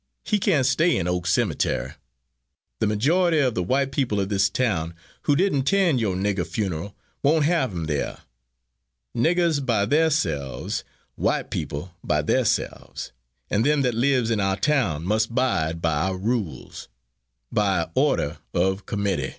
He can't stay in Oak Semitury. The majority of the white people of this town, who dident tend yore nigger funarl, woant have him there. Niggers by there selves, white peepul by there selves, and them that lives in our town must bide by our rules._ By order of CUMITTY.